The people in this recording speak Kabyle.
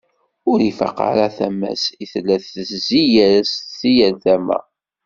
Ur ifaq ara tama-s i tella tezzi-as si yal tama.